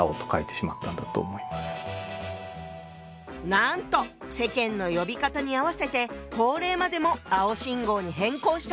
なんと世間の呼び方に合わせて法令までも「青信号」に変更したそうよ。